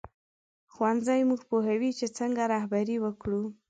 ښوونځی موږ پوهوي چې څنګه رهبري وکړو